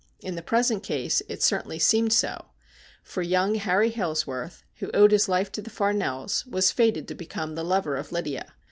In the present case it certainly seemed so, for young Harry Hailsworth, who owed his life to the Farnells, was fated to become the lover of Lydia.